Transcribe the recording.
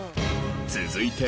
続いて。